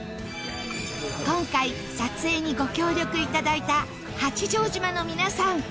今回撮影にご協力頂いた八丈島の皆さん